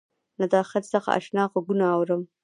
له داخل څخه آشنا غــږونه اورم